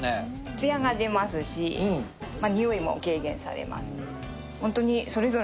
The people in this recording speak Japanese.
つやが出ますし、臭いも軽減されます。